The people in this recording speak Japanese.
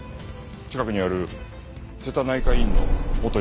近くにある瀬田内科医院の元院長だ。